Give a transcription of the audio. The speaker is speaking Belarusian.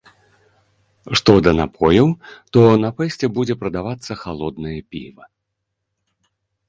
Што да напояў, то на фэсце будзе прадавацца халоднае піва.